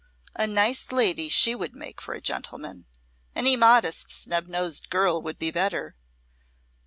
A nice lady she would make for a gentleman! Any modest snub nosed girl would be better.